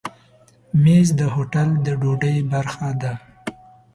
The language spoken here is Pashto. مېز د هوټل د ډوډۍ برخه ده.